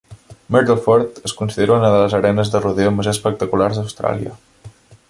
Myrtleford es considera una de les arenes de rodeo més espectaculars d'Austràlia.